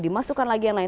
dimasukkan lagi yang lain